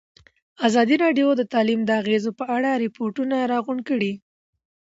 ازادي راډیو د تعلیم د اغېزو په اړه ریپوټونه راغونډ کړي.